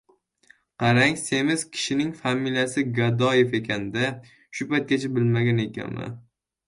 Qarang, semiz kishining familiyasi Gadoyev ekan-da! Shu paytgacha bilmagan ekanman.